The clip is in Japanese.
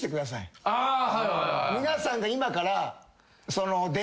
皆さんが今から出役ね。